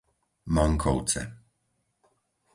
Mankovce